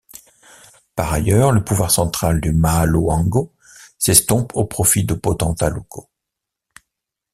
Par ailleurs, le pouvoir central du Mâ Loango s'estompe au profit de potentats locaux.